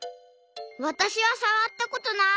わたしはさわったことない！